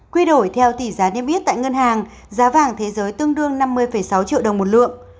quy đổi theo tỷ giá niêm yết tại ngân hàng giá vàng thế giới tương đương năm mươi sáu triệu đồng một lượng